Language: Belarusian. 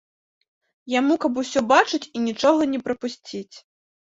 Яму каб усё бачыць і нічога не прапусціць.